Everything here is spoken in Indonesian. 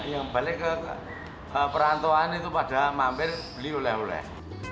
yang balik ke perantauan itu pada mampir beli oleh oleh